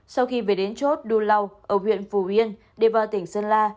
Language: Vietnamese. sau khi về đến chốt đu lâu ở huyện phù yên đề bào tỉnh sơn la